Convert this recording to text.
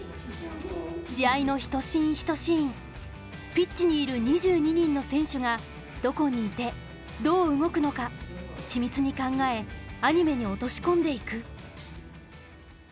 試合の１シーン１シーンピッチにいる２２人の選手がどこにいてどう動くのか緻密に考えアニメに落とし込んでいく。